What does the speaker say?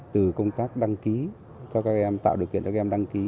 từ công tác đăng ký cho các em tạo điều kiện cho các em đăng ký